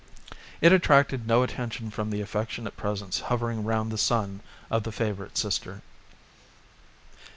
It attracted no attention from the affectionate presence hovering round the son of the favourite sister.